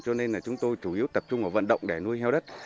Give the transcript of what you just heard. cho nên là chúng tôi chủ yếu tập trung vào vận động để nuôi heo đất